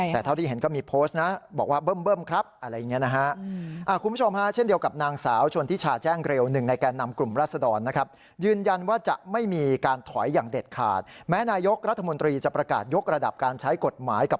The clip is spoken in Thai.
แต่เท่าที่เห็นก็มีโพสต์นะบอกว่าเบิ้มครับอะไรอย่างนี้นะฮะ